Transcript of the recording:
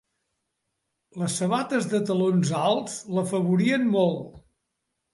Les sabates de talons alts l'afavorien molt.